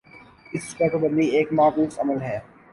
اس پر پابندی ایک معکوس عمل ہے۔